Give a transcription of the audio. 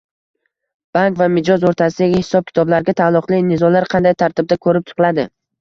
Bank va mijoz o‘rtasidagi hisob-kitoblarga taalluqli nizolar qanday tartibda ko‘rib chiqiladi?